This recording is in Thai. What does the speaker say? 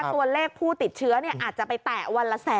ตัวเลขผู้ติดเชื้อเนี่ยอาจจะไปแต่วันละ๑๐๐๐๐๐